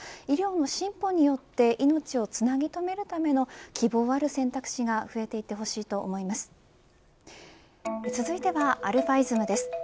医療の進歩によって命をつなぎとめるための希望ある選択肢が増えていってほしいと思います。